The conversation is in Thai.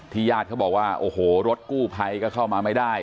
ที่ญาติเขาบอกว่ารถกู้ไพก็เข้ามาไม่ได้